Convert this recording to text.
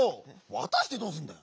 わたしてどうすんだよ